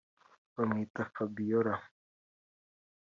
Bamwita Fabiola